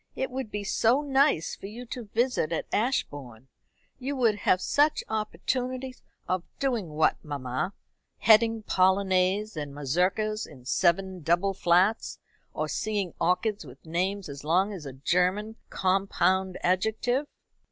It would be so nice for you to visit at Ashbourne. You would have such opportunities " "Of doing what, mamma? Heading polonaises and mazurkas in seven double flats; or seeing orchids with names as long as a German compound adjective."